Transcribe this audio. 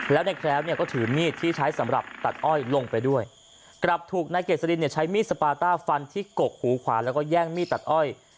แล้วในแคล้วเนี่ยก็ถือมีดที่ใช้สำหรับตัดอ้อยลงไปด้วยกลับถูกนายเกษลินเนี่ยใช้มีดสปาต้าฟันที่กกหูขวาแล้วก็แย่งมีดตัดอ้อย